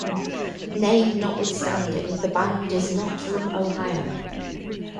Name notwithstanding, the band is not from Ohio.